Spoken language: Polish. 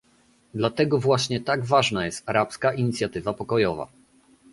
Dlatego właśnie tak ważna jest Arabska Inicjatywa Pokojowa